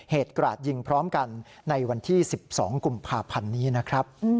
กราดยิงพร้อมกันในวันที่๑๒กุมภาพันธ์นี้นะครับ